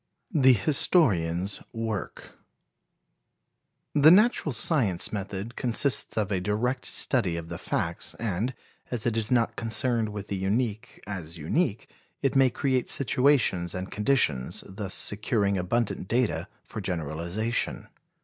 The Historian's Work. The natural science method consists of a direct study of the facts, and, as it is not concerned with the unique as unique, it may create situations and conditions, thus securing abundant data for generalization.